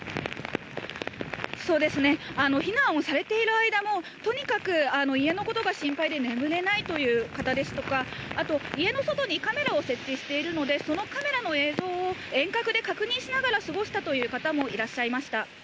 そうですね、避難をされている間も、とにかく家のことが心配で眠れないという方ですとか、あと家の外にカメラを設置しているので、そのカメラの映像を遠隔で確認しながら過ごしたという方もいらっしゃいました。